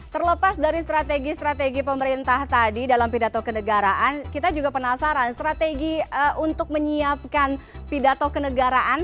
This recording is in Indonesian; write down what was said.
terlepas dari strategi strategi pemerintah tadi dalam pidato kenegaraan kita juga penasaran strategi untuk menyiapkan pidato kenegaraan